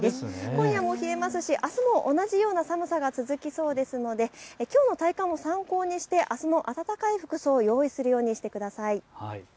今夜も冷えますし、あすも同じような寒さが続きそうですのできょうの体感を参考にしてあすも暖かい服装を用意するようにしてください。